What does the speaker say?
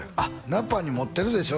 ナパに持ってるでしょ？